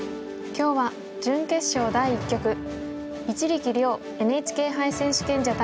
今日は準決勝第１局一力遼ＮＨＫ杯選手権者対